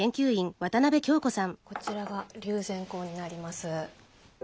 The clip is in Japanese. こちらが龍涎香になります。